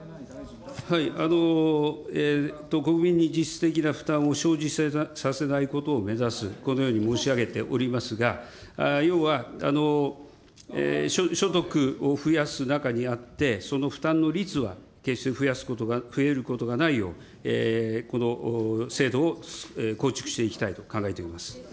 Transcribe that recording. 国民に実質的な負担を生じさせないことを目指す、このように申し上げておりますが、要は、所得を増やす中にあって、その負担の率は決して増えることがないよう、この制度を構築していきたいと考えています。